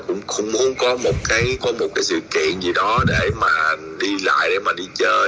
cũng muốn có một cái sự kiện gì đó để mà đi lại để mà đi chơi